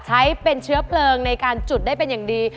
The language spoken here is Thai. ใช้เป็นเชื้อเพลิงในการจุดได้เป็นอย่างดี